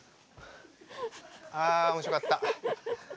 あ面白かった。